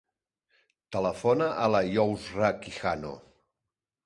Telefona a la Yousra Quijano.